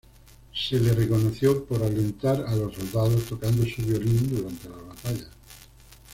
Se le reconoció por alentar a los soldados tocando su violín durante las batallas.